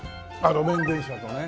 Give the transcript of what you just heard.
路面電車とね。